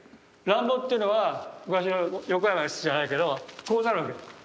乱暴っていうのは昔の横山やすしじゃないけどこうなるわけ。